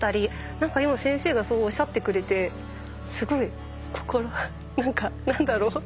なんか今先生がそうおっしゃってくれてすごい心なんかなんだろう。